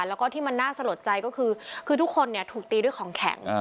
แล้วก็ที่มันน่าสะหรับใจก็คือทุกคนถูกตีด้วยของแข็ง